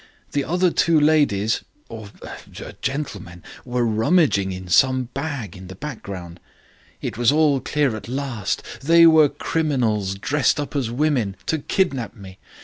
The other two ladies or er gentlemen, were rummaging in some bag in the background. It was all clear at last: they were criminals dressed up as women, to kidnap me!